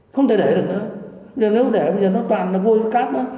không thể để được nữa nếu để bây giờ nó toàn vôi cát đó